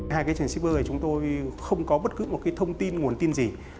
hai cái trần shipper này chúng tôi không có bất cứ một cái thông tin nguồn tin gì